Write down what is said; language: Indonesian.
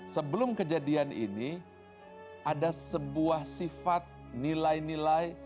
sebelum kejadian ini ada sebuah sifat nilai nilai